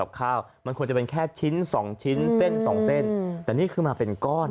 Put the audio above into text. ข้าวมันควรจะเป็นแค่ชิ้นสองชิ้นเส้นสองเส้นแต่นี่คือมาเป็นก้อน